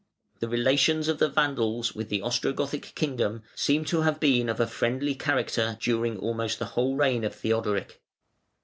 The relations of the Vandals with the Ostrogothic kingdom seem to have been of a friendly character during almost the whole reign of Theodoric.